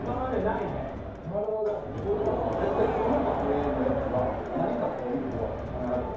こういうのはもう絶対その場でのやつは何か１個は必ず。